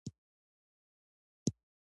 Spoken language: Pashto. وګړي د افغان کلتور سره تړاو لري.